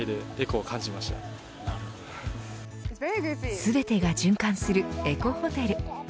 全てが循環するエコホテル。